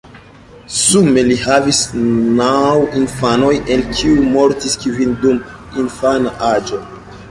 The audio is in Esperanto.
Sume li havis naŭ infanoj el kiuj mortis kvin dum infana aĝo.